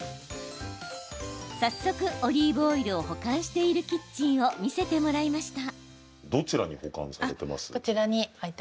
早速、オリーブオイルを保管しているキッチンを見せてもらいました。